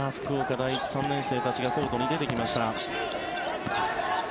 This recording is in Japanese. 第一、３年生たちがコートに出てきました。